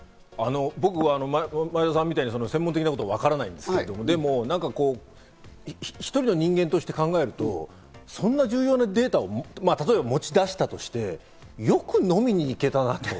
僕は前田さんみたいに専門的なことはわからないですけど、１人の人間として考えると、そんな重要なデータを例えば持ち出したとして、よく飲みに行けたなと。